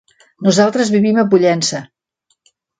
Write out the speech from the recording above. Nosaltres vivim a Pollença.